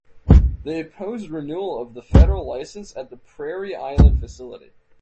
They opposed renewal of the federal license at the Prairie Island facility.